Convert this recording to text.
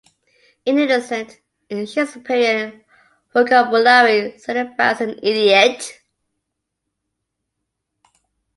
An innocent, in Shakespearean vocabulary, signifies an idiot.